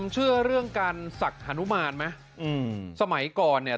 เชื่อเรื่องการศักดิ์ฮานุมานไหมอืมสมัยก่อนเนี่ย